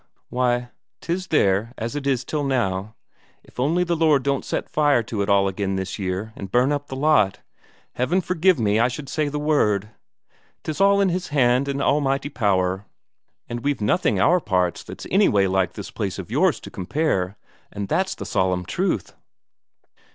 "Why, 'tis there as it is till now. If only the Lord don't set fire to it all again this year, and burn up the lot Heaven forgive me I should say the word. 'Tis all in His hand and almighty power. But we've nothing our parts that's any way like this place of yours to compare, and that's the solemn truth."